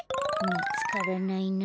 みつからないな。